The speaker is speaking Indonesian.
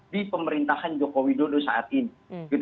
di pemerintahan joko widodo saat ini